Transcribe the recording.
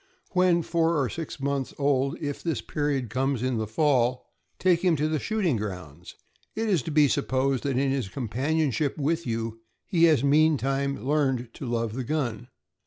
When four or six months old — if this period comes in the fall — take him to the shooting grounds. It is to be supposed that in his companionship with you he has mean time learned to love the gun.